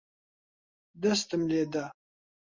دەستم لێ دا.